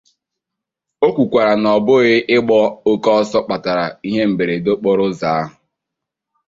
O kwukwara na ọ bụ ịgba oke ọsọ kpatara ihe mberede okporoụzọ ahụ.